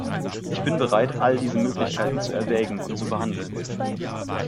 Ich bin bereit, all diese Möglichkeiten zu erwägen und zu behandeln.